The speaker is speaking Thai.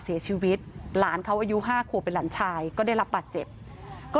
เสียชีวิตหลานเขาอายุ๕ขวบเป็นหลานชายก็ได้รับบาดเจ็บก็